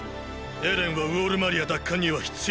エレンはウォール・マリア奪還には必要な存在です！